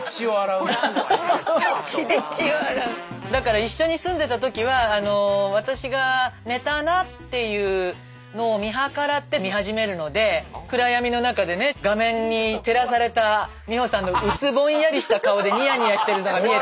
だから一緒に住んでた時は私が寝たなっていうのを見計らって見始めるので暗闇の中でね画面に照らされた美穂さんの薄ぼんやりした顔でニヤニヤしてるのが見えて。